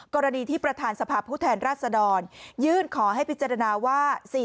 กรณีที่ประธานสภาพผู้แทนราชดรยื่นขอให้พิจารณาว่า